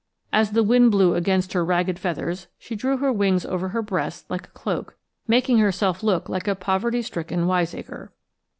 As the wind blew against her ragged feathers she drew her wings over her breast like a cloak, making herself look like a poverty stricken wiseacre.